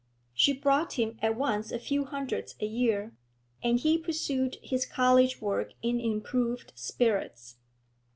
She brought him at once a few hundreds a year, and he pursued his college work in improved spirits.